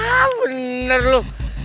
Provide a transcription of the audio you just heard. haaa bener lu